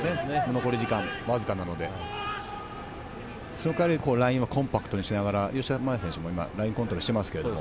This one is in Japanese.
残り時間が少ないのでその代わりラインをコンパクトにしながら、吉田麻也選手がラインコントロールしています。